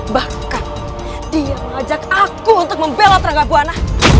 bahkan dia mengajak aku untuk membelot rangga buana